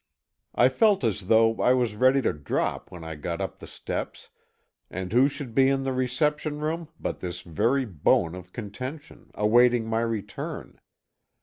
I felt as though I was ready to drop when I got up the steps, and who should be in the reception room but this very bone of contention, awaiting my return.